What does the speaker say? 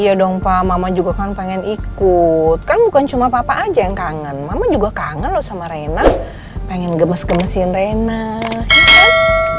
iya dong pak mama juga kan pengen ikut kan bukan cuma papa aja yang kangen mama juga kangen loh sama rena pengen gemes gemesin rena